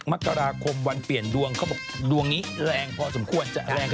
มกราคมวันเปลี่ยนดวงเขาบอกดวงนี้แรงพอสมควรจะแรง